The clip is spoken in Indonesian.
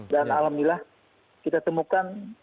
dan alhamdulillah kita temukan